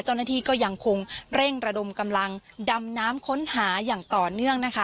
เจ้าหน้าที่ก็ยังคงเร่งระดมกำลังดำน้ำค้นหาอย่างต่อเนื่องนะคะ